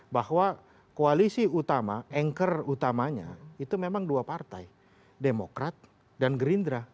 bahwa koalisi utama anchor utamanya itu memang dua partai demokrat dan gerindra